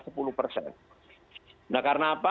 nah karena apa